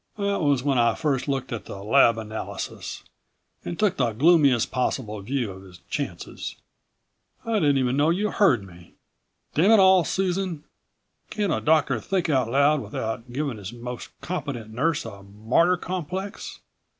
"That was when I first looked at the lab analysis and took the gloomiest possible view of his chances. I didn't even know you heard me. Damn it all, Susan. Can't a doctor think out loud without giving his most competent nurse a martyr complex?